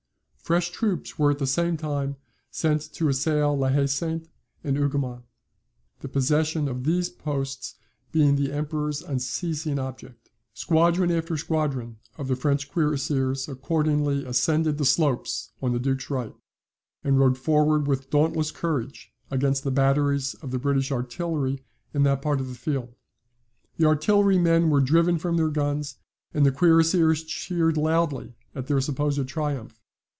Fresh troops were at the same time sent to assail La Haye Sainte and Hougoumont, the possession of these posts being the Emperor's unceasing object. Squadron after squadron of the French cuirassiers accordingly ascended the slopes on the Duke's right, and rode forward with dauntless courage against the batteries of the British artillery in that part of the field. The artillery men were driven from their guns, and the cuirassiers cheered loudly at their supposed triumph.